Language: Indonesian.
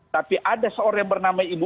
tapi ada seorang yang bernama ibu